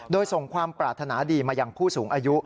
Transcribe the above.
โดยส่งความปรารถนาดีมาอย่างผู้สูงอายุ